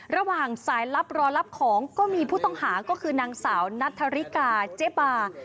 ระหว่างสายลับรอรับของก็มีผู้ต้องหาก็คือนางสาวนัทธริกาเจ๊บา